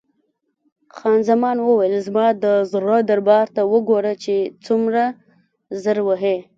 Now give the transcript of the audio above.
خان زمان وویل: زما د زړه دربا ته وګوره چې څومره زر وهي.